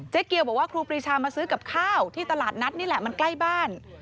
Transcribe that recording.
เกียวบอกว่าครูปรีชามาซื้อกับข้าวที่ตลาดนัดนี่แหละมันใกล้บ้าน